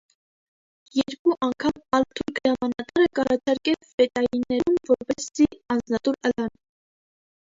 Երկու անգամ ալ թուրք հրամանատարը կ՚առաջարկէ ֆետայիներուն որպէսզի անձնատուր ըլլան։